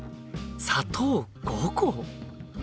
砂糖５個！